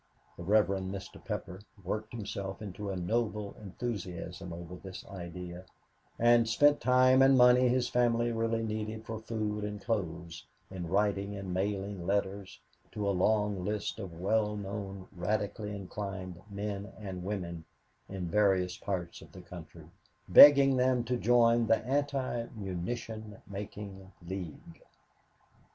The Rev. Mr. Pepper worked himself into a noble enthusiasm over this idea, and spent time and money his family really needed for food and clothes in writing and mailing letters to a long list of well known radically inclined men and women in various parts of the country, begging them to join the Anti Munition Making League.